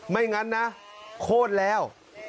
ไม่งั้นนะโคตรแล้ว